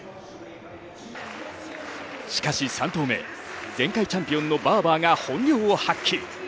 しかし３投目、前回チャンピオン、バーバーが本領を発揮。